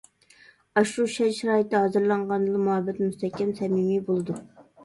ئاشۇ شەرت-شارائىت ھازىرلانغاندىلا مۇھەببەت مۇستەھكەم سەمىمىي بولىدۇ.